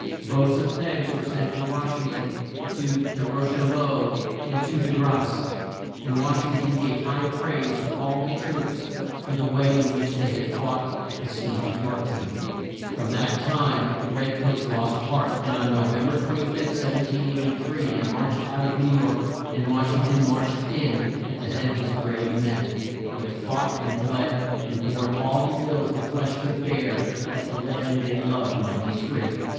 Votes of thanks were sent to Wash ing ton, to De Ro cham beau and De Grasse, and Wash ing ton gave high praise to all the troops for the way in which they had fought at the siege of York town. From that time the red coats lost heart, and on No vem ber 25, 1783, they marched out of New York, and Wash ing ton marched in at the head of his brave men, who had fought and bled and borne all the ills that flesh could bear that the land they loved might be free.